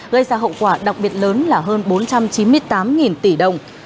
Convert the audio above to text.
gây ra hậu quả đặc biệt lớn là hơn bốn trăm chín mươi tám tỷ đồng